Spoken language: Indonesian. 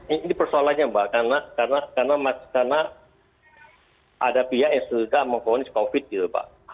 ini persoalannya mbak karena karena karena karena ada pihak yang sedang mengkonfirmasi covid gitu pak